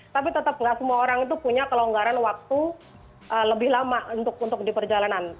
tapi tetep nggak semua orang itu punya kelonggaran waktu lebih lama untuk diperjalanan